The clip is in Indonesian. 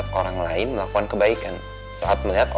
jangan sekolah berapa sehat lo